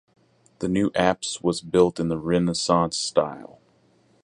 The new apse was built in the Renaissance style.